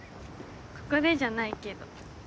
ここでじゃないけど。